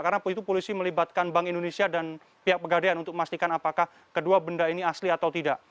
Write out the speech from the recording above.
karena itu polisi melibatkan bank indonesia dan pihak pegadaian untuk memastikan apakah kedua benda ini asli atau tidak